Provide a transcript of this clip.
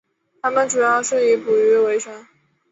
他们主要是以捕鱼维生。